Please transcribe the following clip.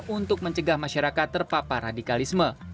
untuk mencegah masyarakat terpapar radikalisme